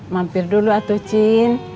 mampir dulu atuh cin